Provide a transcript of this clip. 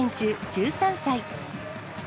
１３歳。